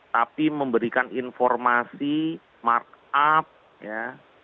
tapi memberikan informasi mark up ya